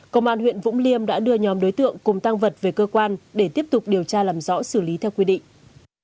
công an huyện vũng liêm đã đưa nhóm đối tượng cùng tăng vật về cơ quan để tiếp tục điều tra làm rõ xử lý theo quy định